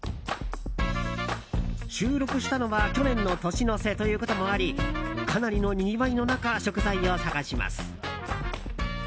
収録したのは去年の年の瀬ということもありかなりのにぎわいの中食材を探します。